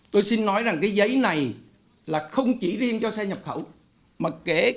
tôi xin nói rằng cái giấy này là không chỉ riêng cho xe nhập khẩu mà kể cả xe sản xuất lắp rác